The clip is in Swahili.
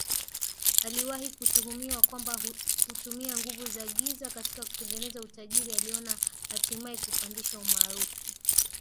aliwahi kutuhumiwa kwamba hutumia nguvu za giza katika kutengeneza utajiri aliona hatimaye kupandisha umaarufu